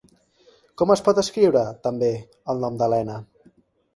Com es pot escriure, també, el nom d'Elena?